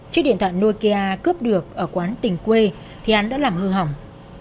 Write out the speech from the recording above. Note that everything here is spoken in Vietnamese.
chiếc điện thoại nokia cướp được ở quán tình quê thì hắn đã làm hư hỏng